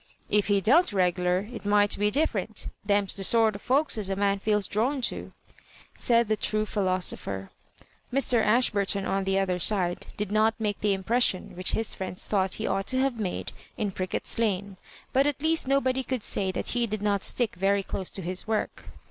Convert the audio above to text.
"If he dealt regular, it might be different Them's the sort of folks as a man feels drawn to," said the true p^hilosopher. Mr. Ashburton, on the other side, did not make the impression which his friends thought he ought to have made in Prickett's Lane; but at least nobody could say that he did not stick very dose to his work.